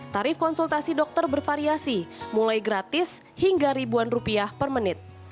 tarif konsultasi dokter bervariasi mulai gratis hingga ribuan rupiah per menit